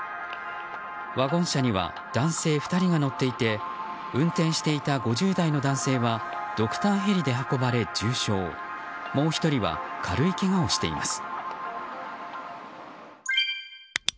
ワゴン車には男性２人が乗っていて運転していた５０代の男性はドクターヘリで運ばれ重傷もう１人は軽いけがをしています。